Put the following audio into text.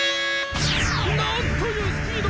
なんというスピード！